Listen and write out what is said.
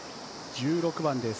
１６番です。